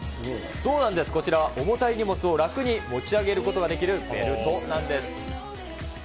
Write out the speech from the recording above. そうなんです、こちらは重たい荷物を楽に持ち上げることができるベルトなんです。